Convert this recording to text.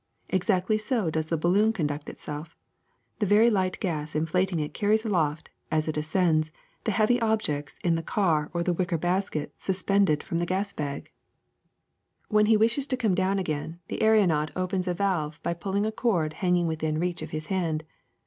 Exactly so does the balloon conduct itself: the very light gas inflating it carries aloft, as it ascends, the heavy objects in the car or great wicker basket sus pended from the gas bag. THE ATMOSPHERE 325 *^ When he wishes to come down again the aeronaut opens a valve by pulling a cord hanging within reach of his hand.